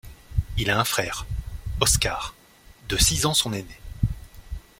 Il a un frère, Oscar, de six ans son aîné.